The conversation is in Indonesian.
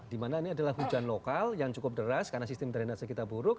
dimana ini adalah hujan lokal yang cukup deras karena sistem drainase kita buruk